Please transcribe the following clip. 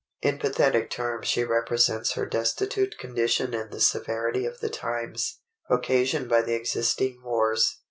In pathetic terms she represents her destitute condition and the severity of the times, occasioned by the existing wars.